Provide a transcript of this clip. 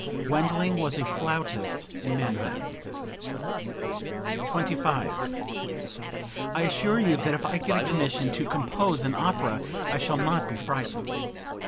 Wendling was a flautist in Mannheim.) 25. "I assure you that if I get a commission to compose an opera I shall not be frightened.